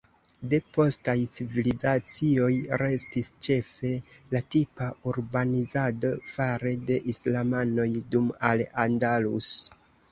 De postaj civilizacioj restis ĉefe la tipa urbanizado fare de islamanoj dum Al Andalus.